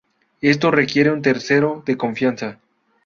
Esto requiere un tercero de confianza.